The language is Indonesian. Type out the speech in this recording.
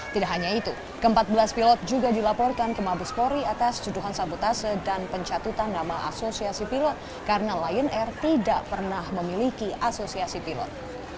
tidak hanya itu ke empat belas pilot juga dilaporkan ke mabespori atas tuduhan sabotase dan pencatutan nama asosiasi pilot karena lion air tidak pernah memiliki asosiasi pilot